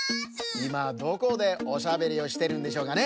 いまどこでおしゃべりをしてるんでしょうかね？